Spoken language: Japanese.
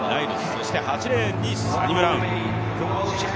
そして８レーンにサニブラウン。